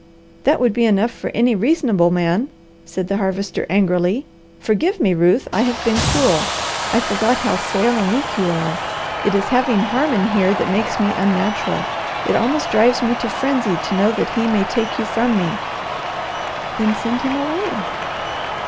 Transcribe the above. "That would be enough for any reasonable man," said the Harvester angrily. "Forgive me, Ruth, I have been cruel. I forgot how frail and weak you are. It is having Harmon here that makes me unnatural. It almost drives me to frenzy to know that he may take you from me." "Then send him away!"